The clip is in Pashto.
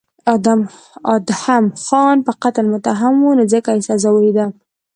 ادهم خان په قتل متهم و نو ځکه یې سزا ولیده.